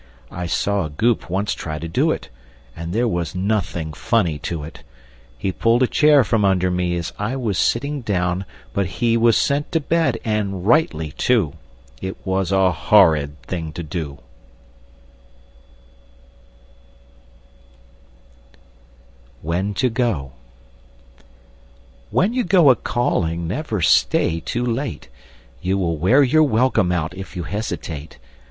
I saw a Goop once try to do it, And there was nothing funny to it. He pulled a chair from under me As I was sitting down; but he Was sent to bed, and rightly, too. It was a horrid thing to do! [Illustration: When To Go] WHEN TO GO When you go a calling, Never stay too late; You will wear your welcome out If you hesitate!